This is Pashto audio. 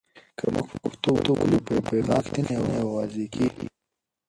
که موږ په پښتو ولیکو، نو پیغام مو رښتینی او واضح کېږي.